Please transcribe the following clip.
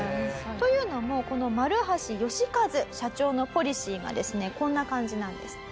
というのもこの丸橋嘉一社長のポリシーがですねこんな感じなんです。